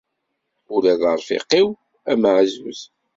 Ula d arfiq-iw ameɛzuz.